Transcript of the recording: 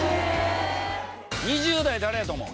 ２０代誰やと思う？